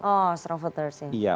oh strong voters ya